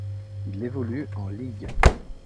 Il évolue en Ligue.